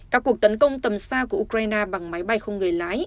các cuộc tấn công tầm xa của ukraine bằng máy bay không người lái